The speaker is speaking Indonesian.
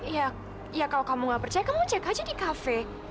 ya ya kalau kamu nggak percaya kamu cek aja di cafe